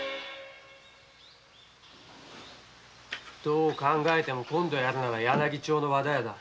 どう考えても今度は柳町の和田屋だ。